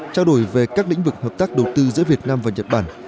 trao đổi về các lĩnh vực hợp tác đầu tư giữa việt nam và nhật bản